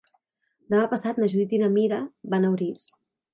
Demà passat na Judit i na Mira van a Orís.